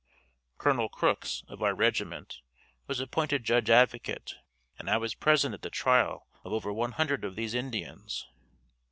Col. Crooks, of our regiment, was appointed Judge Advocate and I was present at the trial of over one hundred of these Indians.